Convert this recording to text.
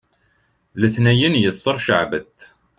letniyen yesser ceɛbet